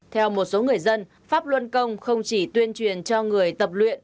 theo một số người dân pháp luân công không chỉ tuyên truyền cho người tập luyện